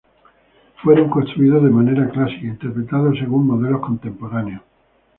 Fueron construidos de manera clásica interpretados según modelos contemporáneos.